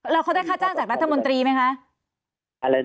แล้วเขาได้ค่าจ้างจากรัฐมนตรีไหมคะ